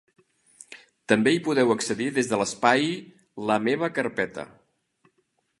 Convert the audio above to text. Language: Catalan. També hi podeu accedir des de l'espai La meva carpeta.